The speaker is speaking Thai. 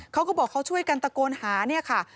เขาก็บอกเขาช่วยกันตะโกนหาเนี่ยค่ะ